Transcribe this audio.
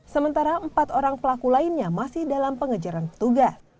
sementara empat orang pelaku lainnya masih dalam pengejaran petugas